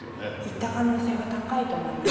いった可能性が高いと思います。